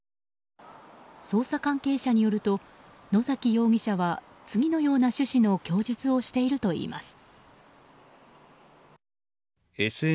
捜査関係者によると野崎容疑者は次のような趣旨の供述をしているといいます。